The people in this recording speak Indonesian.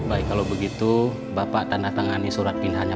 baik kalau begitu bapak tanda tangani surat pindahnya